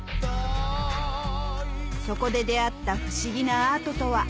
そこで出合った不思議なアートとは？